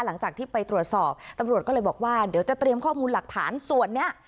หลังจากที่ไปตรวจสอบตำรวจก็เลยบอกว่าเดี๋ยวจะเตรียมข้อมูลหลักฐานส่วนนี้